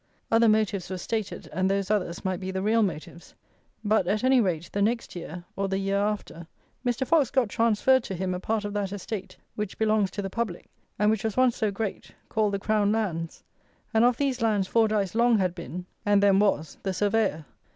Other motives were stated; and those others might be the real motives; but, at any rate, the next year, or the year after, Mr. Fox got transferred to him a part of that estate, which belongs to the public, and which was once so great, called the Crown lands; and of these lands Fordyce long had been, and then was, the Surveyor.